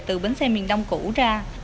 từ bến xe miền đông cũ ra